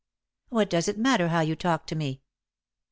" What does it matter how you talked to me